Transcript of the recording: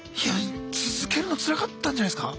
続けるのつらかったんじゃないすか？